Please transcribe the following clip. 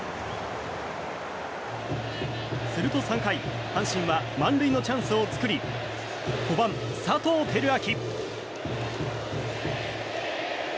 すると３回、阪神は満塁のチャンスを作り５番、佐藤輝明。